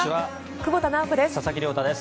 久保田直子です。